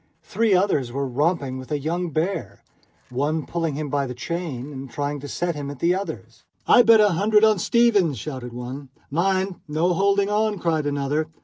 Three others were romping with a young bear, one pulling him by the chain and trying to set him at the others. "I bet a hundred on Stevens!" shouted one. "Mind, no holding on!" cried another.